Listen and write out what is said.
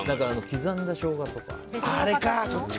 刻んだショウガとか？